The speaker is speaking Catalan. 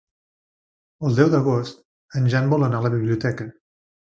El deu d'agost en Jan vol anar a la biblioteca.